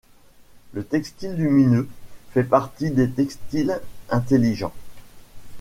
Le textile lumineux fait partie des textiles intelligents.